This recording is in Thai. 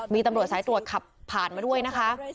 มีตำรวจสายตรวจขับผ่านมาด้วยนะคะ